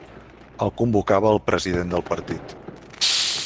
El convocava el president del partit.